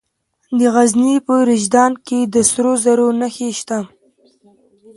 د غزني په رشیدان کې د سرو زرو نښې شته.